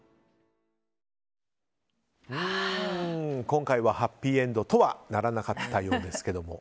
今回はハッピーエンドとはならなかったようですけども。